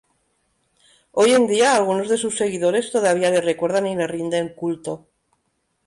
Hoy en día algunos de sus seguidores todavía la recuerdan y le rinden culto.